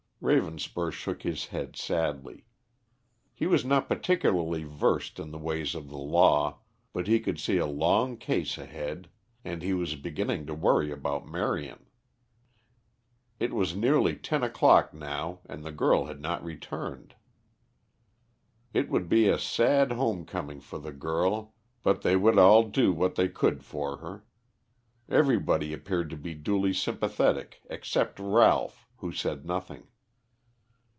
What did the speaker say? Ravenspur shook his head sadly. He was not particularly versed in the ways of the law, but he could see a long case ahead; and he was beginning to worry about Marion. It was nearly ten o'clock now and the girl had not returned. It would be a sad home coming for the girl, but they would all do what they could for her. Everybody appeared to be duly sympathetic except Ralph, who said nothing.